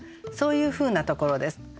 そういうふうなところです。